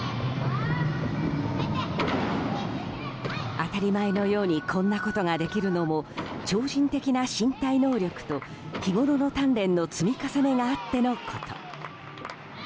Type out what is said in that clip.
当たり前のようにこんなことができるのも超人的な身体能力と日ごろの鍛錬の積み重ねがあってのこと。